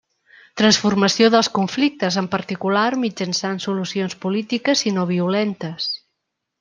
Transformació dels conflictes, en particular mitjançant solucions polítiques i no violentes.